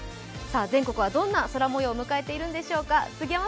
全国は、どんな空もようを迎えているんでしょうか。